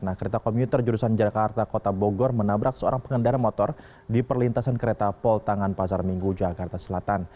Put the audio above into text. nah kereta komuter jurusan jakarta kota bogor menabrak seorang pengendara motor di perlintasan kereta pol tangan pasar minggu jakarta selatan